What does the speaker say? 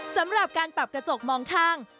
สำหรับการปรับกระจกมองข้าง